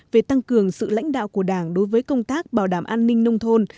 về tăng cường sự lãnh đạo của đảng đối với công tác bảo đảm an ninh nông thôn